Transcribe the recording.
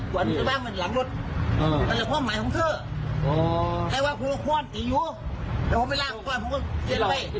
ก้เนวข้อนตีไหม